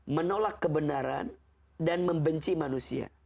menolak kebenaran dan membenci manusia